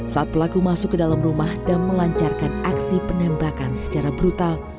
saat pelaku masuk ke dalam rumah dan melancarkan aksi penembakan secara brutal